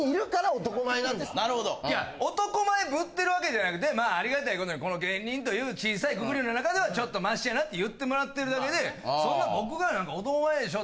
いや男前ぶってるわけじゃなくてまあありがたい事にこの芸人という小さいくくりの中ではちょっとマシやなって言ってもらってるだけでそんな僕が。